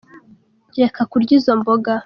Reka kurya izo mboga.